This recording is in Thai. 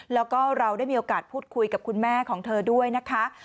แล้วก็เราได้มีโอกาสพูดคุยกับคุณแม่ของเธอด้วยนะคะ